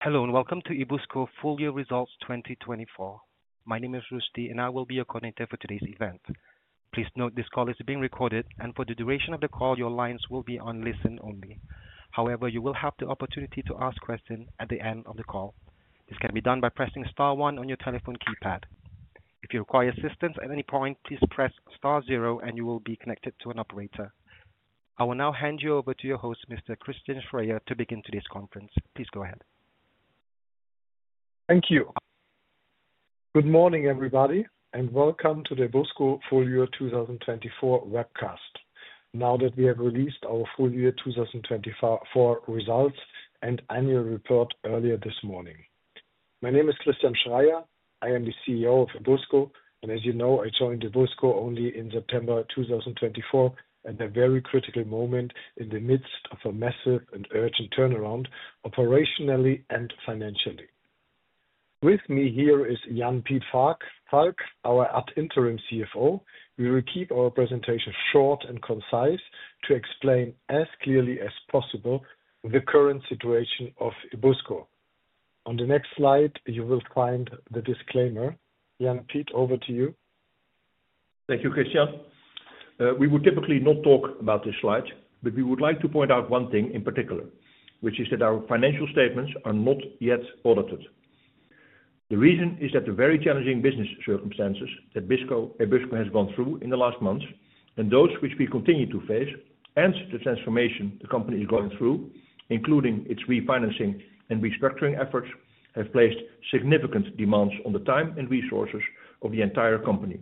Hello and welcome to Ebusco Folio results 2024. My name is Rushdie, and I will be your coordinator for today's event. Please note this call is being recorded, and for the duration of the call, your lines will be on listen only. However, you will have the opportunity to ask questions at the end of the call. This can be done by pressing star one on your telephone keypad. If you require assistance at any point, please press star zero, and you will be connected to an operator. I will now hand you over to your host, Mr. Christian Schreyer, to begin today's conference. Please go ahead. Thank you. Good morning, everybody, and welcome to the Ebusco Folio 2024 webcast, now that we have released our Folio 2024 results and annual report earlier this morning. My name is Christian Schreyer. I am the CEO of Ebusco, and as you know, I joined Ebusco only in September 2024 at a very critical moment in the midst of a massive and urgent turnaround, operationally and financially. With me here is Jan Piet Valk, our Interim CFO. We will keep our presentation short and concise to explain as clearly as possible the current situation of Ebusco. On the next slide, you will find the disclaimer. Jan Piet, over to you. Thank you, Christian. We would typically not talk about this slide, but we would like to point out one thing in particular, which is that our financial statements are not yet audited. The reason is that the very challenging business circumstances that Ebusco has gone through in the last months, and those which we continue to face, and the transformation the company is going through, including its refinancing and restructuring efforts, have placed significant demands on the time and resources of the entire company.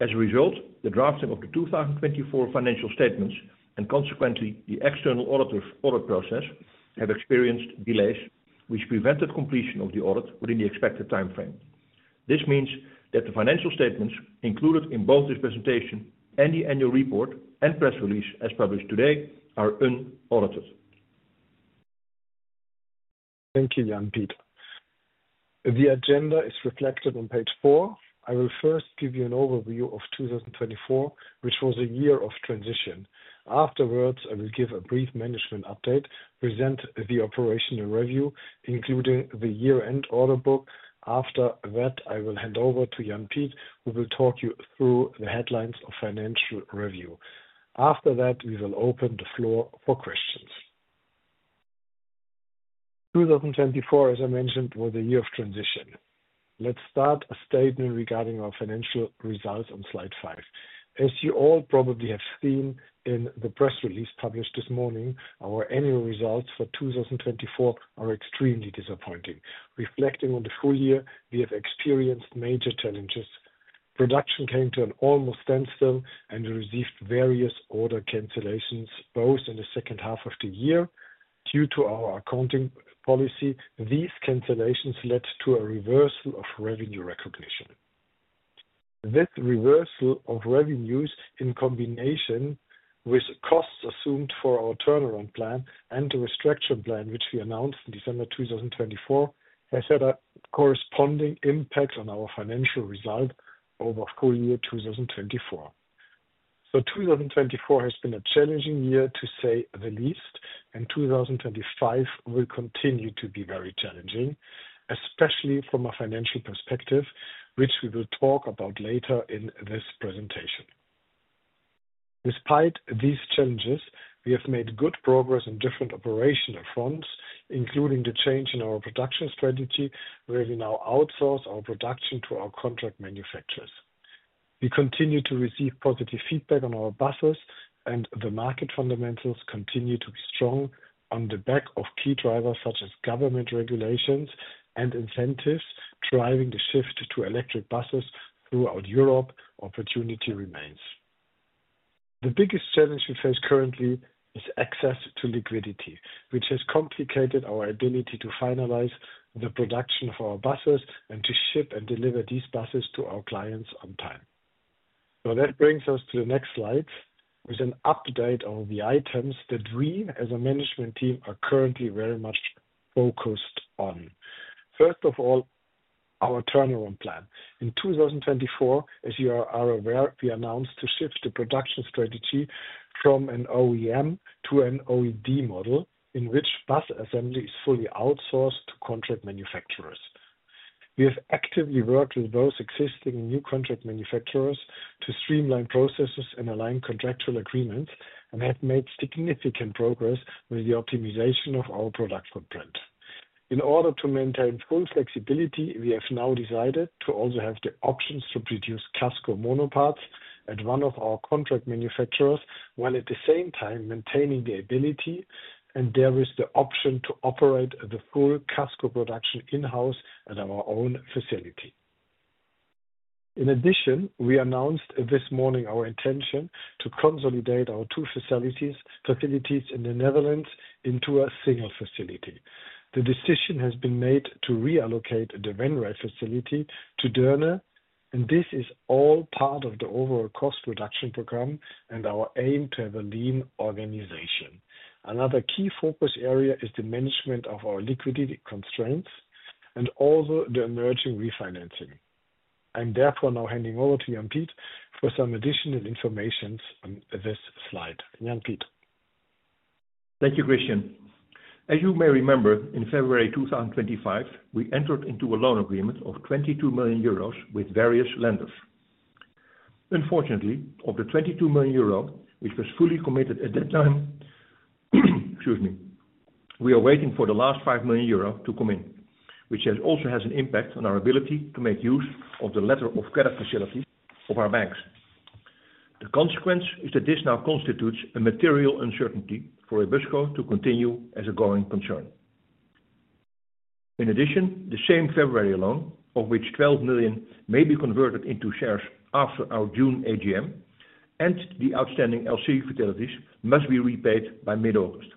As a result, the drafting of the 2024 financial statements and consequently the external audit process have experienced delays, which prevented completion of the audit within the expected time frame. This means that the financial statements included in both this presentation and the annual report and press release as published today are unaudited. Thank you, Jan Piet. The agenda is reflected on page four. I will first give you an overview of 2024, which was a year of transition. Afterwards, I will give a brief management update, present the operational review, including the year-end audit book. After that, I will hand over to Jan Piet, who will talk you through the headlines of financial review. After that, we will open the floor for questions. 2024, as I mentioned, was a year of transition. Let's start a statement regarding our financial results on slide five. As you all probably have seen in the press release published this morning, our annual results for 2024 are extremely disappointing. Reflecting on the full year, we have experienced major challenges. Production came to an almost standstill, and we received various order cancellations, both in the second half of the year. Due to our accounting policy, these cancellations led to a reversal of revenue recognition. This reversal of revenues, in combination with costs assumed for our turnaround plan and the restructuring plan, which we announced in December 2024, has had a corresponding impact on our financial result over full year 2024. 2024 has been a challenging year, to say the least, and 2025 will continue to be very challenging, especially from a financial perspective, which we will talk about later in this presentation. Despite these challenges, we have made good progress on different operational fronts, including the change in our production strategy, where we now outsource our production to our contract manufacturers. We continue to receive positive feedback on our buses, and the market fundamentals continue to be strong on the back of key drivers such as government regulations and incentives driving the shift to electric buses throughout Europe. Opportunity remains. The biggest challenge we face currently is access to liquidity, which has complicated our ability to finalize the production of our buses and to ship and deliver these buses to our clients on time. That brings us to the next slide, which is an update on the items that we, as a management team, are currently very much focused on. First of all, our turnaround plan. In 2024, as you are aware, we announced to shift the production strategy from an OEM to an OED model, in which bus assembly is fully outsourced to contract manufacturers. We have actively worked with both existing and new contract manufacturers to streamline processes and align contractual agreements, and have made significant progress with the optimization of our product footprint. In order to maintain full flexibility, we have now decided to also have the options to produce CASCO monoparts at one of our contract manufacturers, while at the same time maintaining the ability and therewith the option to operate the full CASCO production in-house at our own facility. In addition, we announced this morning our intention to consolidate our two facilities in the Netherlands into a single facility. The decision has been made to reallocate the Venray facility to Deurne and this is all part of the overall cost reduction program and our aim to have a lean organization. Another key focus area is the management of our liquidity constraints and also the emerging refinancing. I'm therefore now handing over to Jan Piet for some additional information on this slide. Jan Piet. Thank you, Christian. As you may remember, in February 2025, we entered into a loan agreement of 22 million euros with various lenders. Unfortunately, of the 22 million euro, which was fully committed at that time, excuse me, we are waiting for the last 5 million euro to come in, which also has an impact on our ability to make use of the letter of credit facilities of our banks. The consequence is that this now constitutes a material uncertainty for Ebusco to continue as a going concern. In addition, the same February loan, of which 12 million may be converted into shares after our June AGM, and the outstanding LC utilities must be repaid by mid-August.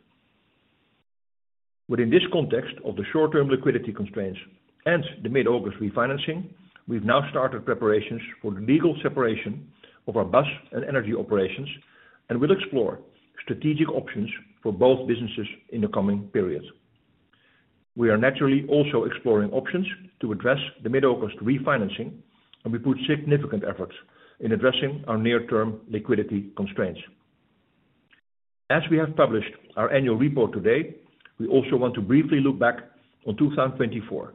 Within this context of the short-term liquidity constraints and the mid-August refinancing, we've now started preparations for the legal separation of our bus and energy operations, and we'll explore strategic options for both businesses in the coming period. We are naturally also exploring options to address the mid-August refinancing, and we put significant efforts in addressing our near-term liquidity constraints. As we have published our annual report today, we also want to briefly look back on 2024.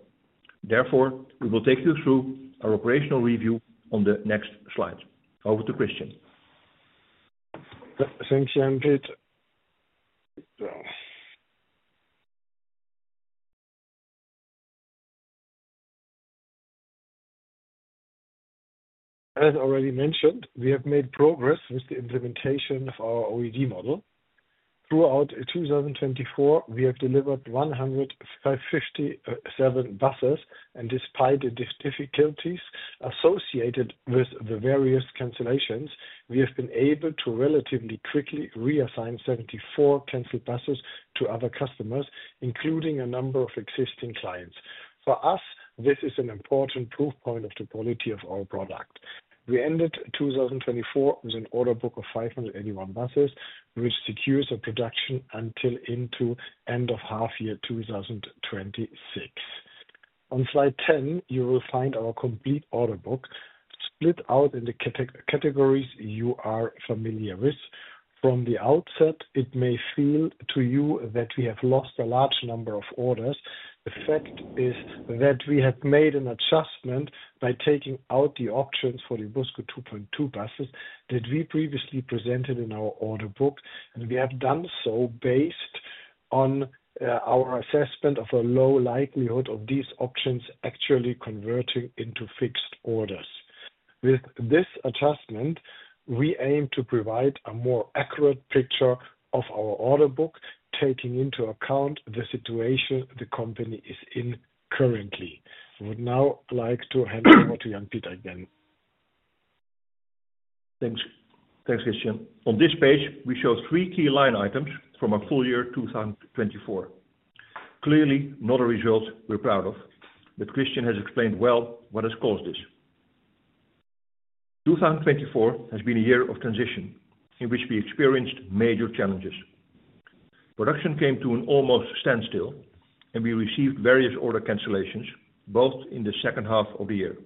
Therefore, we will take you through our operational review on the next slide. Over to Christian. Thanks, Jan Piet. As already mentioned, we have made progress with the implementation of our OED model. Throughout 2024, we have delivered 157 buses, and despite the difficulties associated with the various cancellations, we have been able to relatively quickly reassign 74 canceled buses to other customers, including a number of existing clients. For us, this is an important proof point of the quality of our product. We ended 2024 with an order book of 581 buses, which secures a production until into the end of half year 2026. On slide 10, you will find our complete order book split out in the categories you are familiar with. From the outset, it may feel to you that we have lost a large number of orders. The fact is that we have made an adjustment by taking out the options for the Ebusco 2.2 buses that we previously presented in our order book, and we have done so based on our assessment of a low likelihood of these options actually converting into fixed orders. With this adjustment, we aim to provide a more accurate picture of our order book, taking into account the situation the company is in currently. I would now like to hand over to Jan Piet again. Thanks. Thanks, Christian. On this page, we show three key line items from our full year 2024. Clearly, not a result we're proud of, but Christian has explained well what has caused this. 2024 has been a year of transition in which we experienced major challenges. Production came to an almost standstill, and we received various order cancellations, both in the second half of the year.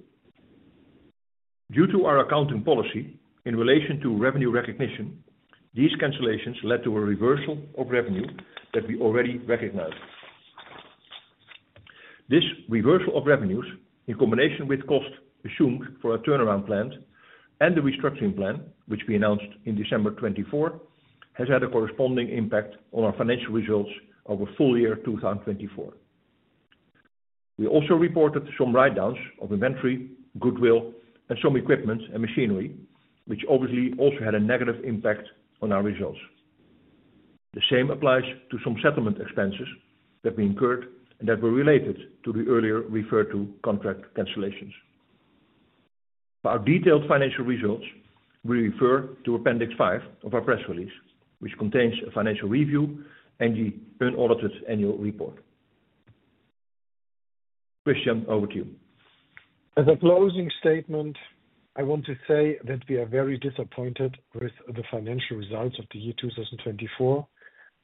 Due to our accounting policy in relation to revenue recognition, these cancellations led to a reversal of revenue that we already recognized. This reversal of revenues, in combination with costs assumed for our turnaround plan and the restructuring plan, which we announced in December 2024, has had a corresponding impact on our financial results over full year 2024. We also reported some write-downs of inventory, goodwill, and some equipment and machinery, which obviously also had a negative impact on our results. The same applies to some settlement expenses that we incurred and that were related to the earlier referred to contract cancellations. For our detailed financial results, we refer to appendix five of our press release, which contains a financial review and the unaudited annual report. Christian, over to you. As a closing statement, I want to say that we are very disappointed with the financial results of the year 2024,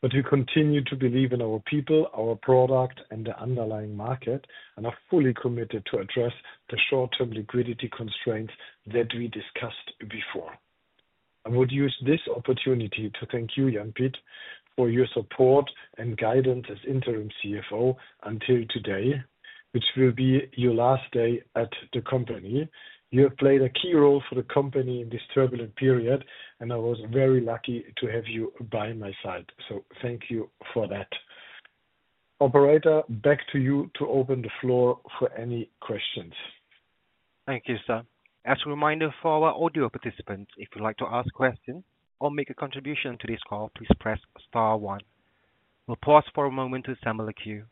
but we continue to believe in our people, our product, and the underlying market, and are fully committed to address the short-term liquidity constraints that we discussed before. I would use this opportunity to thank you, Jan Piet, for your support and guidance as Interim CFO until today, which will be your last day at the company. You have played a key role for the company in this turbulent period, and I was very lucky to have you by my side. Thank you for that. Operator, back to you to open the floor for any questions. Thank you, sir. As a reminder for our audio participants, if you'd like to ask questions or make a contribution to this call, please press star one. We'll pause for a moment to assemble a queue.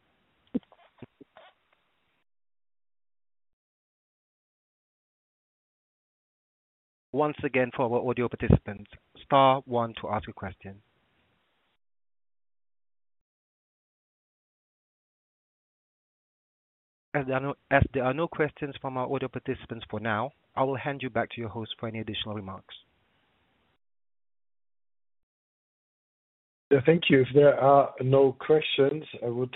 Once again, for our audio participants, star one to ask a question. As there are no questions from our audio participants for now, I will hand you back to your host for any additional remarks. Thank you. If there are no questions, I would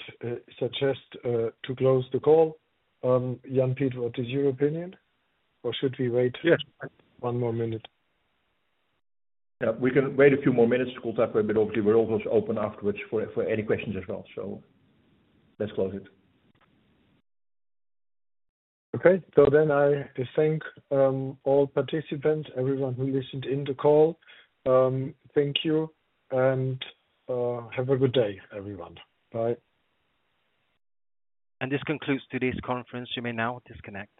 suggest to close the call. Jan Piet, what is your opinion, or should we wait one more minute? Yeah, we can wait a few more minutes to cool up a bit. Obviously, we're also open afterwards for any questions as well. Let's close it. Okay. I thank all participants, everyone who listened in the call. Thank you, and have a good day, everyone. Bye. This concludes today's conference. You may now disconnect.